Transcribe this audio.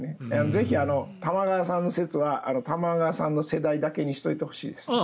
ぜひ、玉川さんの説は玉川さんの世代だけにしておいてほしいですね。